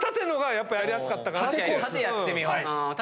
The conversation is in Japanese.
縦やってみよ。